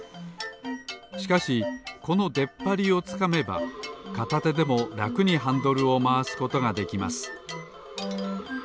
しかしこのでっぱりをつかめばかたてでもらくにハンドルをまわすことができます